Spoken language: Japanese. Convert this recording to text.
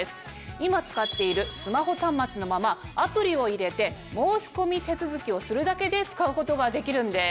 今使っているスマホ端末のままアプリを入れて申し込み手続きをするだけで使うことができるんです。